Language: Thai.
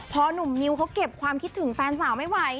พอหนุ่มนิวเขาเก็บความคิดถึงแฟนสาวไม่ไหว